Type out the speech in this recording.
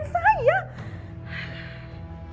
keterlaluan anak aja